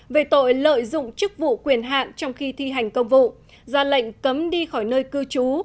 về tội lợi dụng chức vụ quyền hạn trong khi thi hành công vụ ra lệnh cấm đi khỏi nơi cư trú